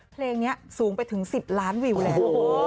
เพลงนี้สูงไปถึง๑๐ล้านวิวแล้ว